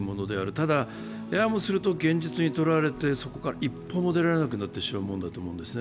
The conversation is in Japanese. ただややもすると現実にとらわれて、そこから一歩も出られなくなってしまうものだと思うんですね。